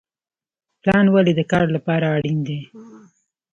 پلان ولې د کار لپاره اړین دی؟